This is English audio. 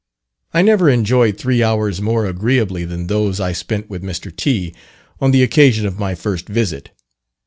I never enjoyed three hours more agreeably than those I spent with Mr. T. on the occasion of my first visit.